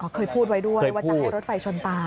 เคยพูดไว้ด้วยว่าจะให้รถไฟชนตา